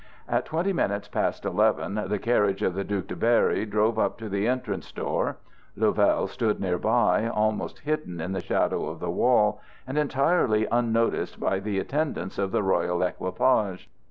At twenty minutes past eleven the carriage of the Duc de Berry drove up to the entrance door. Louvel stood near by, almost hidden in the shadow of the wall, and entirely unnoticed by the attendants of the royal equipage.